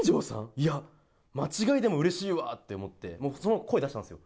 いや、間違いでもうれしいわって思って、もう声出したんですよ。